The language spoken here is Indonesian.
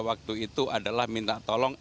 waktu itu adalah minta tolong